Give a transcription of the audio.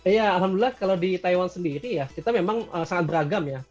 ya alhamdulillah kalau di taiwan sendiri ya kita memang sangat beragam ya